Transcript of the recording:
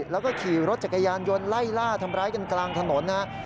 แล้วก็ขี่รถจักรยานยนต์ไล่ล่าทำร้ายกันกลางถนนนะครับ